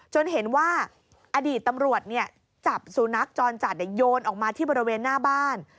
เห็นว่าอดีตตำรวจจับสุนัขจรจัดโยนออกมาที่บริเวณหน้าบ้าน